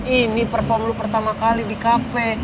ini perform lo pertama kali di kafe